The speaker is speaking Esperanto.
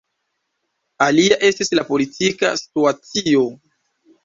Alia estis la politika situacio.